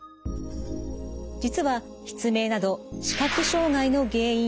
実は失明など視覚障害の原因